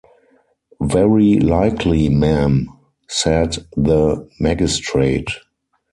‘Very likely, ma’am,’ said the magistrate.